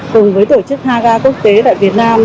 cùng với tổ chức haga quốc tế tại việt nam